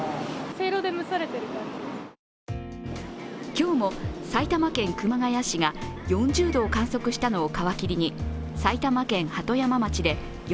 今日も埼玉県熊谷市が４０度を観測したのを皮切りに埼玉県鳩山町で